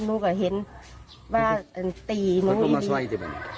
หนูก็เห็นตีคุกมาสว่ายทีมา